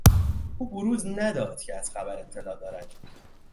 او بروز نداد که از خبر اطلاع دارد.